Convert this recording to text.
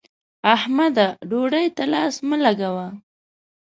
احمده! ډوډۍ ته لاس مه لګوه.